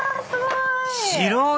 すごい！